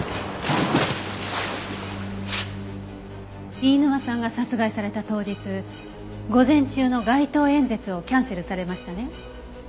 飯沼さんが殺害された当日午前中の街頭演説をキャンセルされましたね。